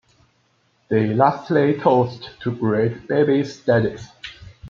They lastly toast to great babies' daddies.